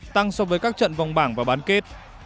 tăng so với các trận vòng bảng và bán kết